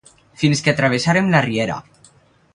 fins que travessarem la riera